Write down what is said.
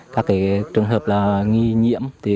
các trường hợp nghi nhiễm